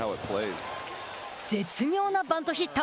絶妙なバントヒット。